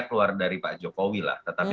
keluar dari pak jokowi lah tetapi